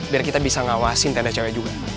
biar kita bisa ngawasin tenda cewek juga